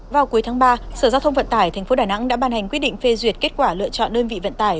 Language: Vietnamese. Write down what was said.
vào cuối tháng ba sở giao thông vận tải tp đà nẵng đã ban hành quyết định phê duyệt kết quả lựa chọn đơn vị vận tải